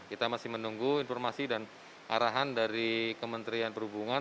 kita masih menunggu informasi dan arahan dari kementerian perhubungan